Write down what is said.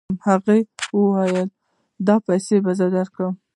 هغه وویل دا پیسې به زه درکوم.